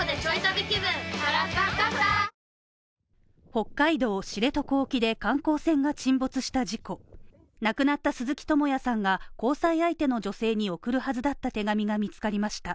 北海道知床沖で観光線が沈没した事故亡くなった鈴木智也さんが、交際相手の女性に送るはずだった手紙が見つかりました